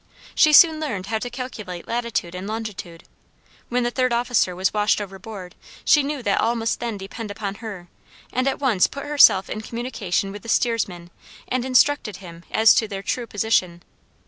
She soon learned how to calculate latitude and longitude. When the third officer was washed overboard she knew that all must then depend upon her, and at once put herself in communication with the steersman, and instructed him as to their true position.